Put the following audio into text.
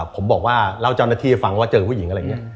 ผมบอกว่าเล่าเจ้าหน้าที่ฟังว่าเจอผู้หญิงอะไรอย่างนี้